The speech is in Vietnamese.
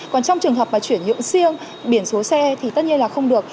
còn trong trường hợp mà chuyển nhượng riêng biển số xe thì tất nhiên là không được